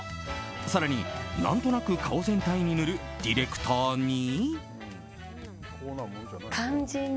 更に、何となく顔全体に塗るディレクターに。